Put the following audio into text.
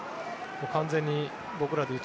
完全に僕らでいう